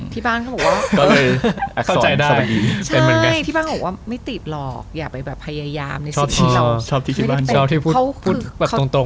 ที่บ้างคือว่าไม่ติดหรอกอย่าไปพยายามในสิ่งอื่น